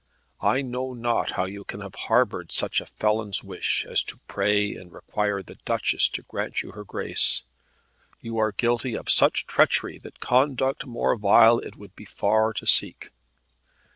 I know not how you can have harboured such a felon's wish, as to pray and require the Duchess to grant you her grace. You are guilty of such treachery that conduct more vile it would be far to seek.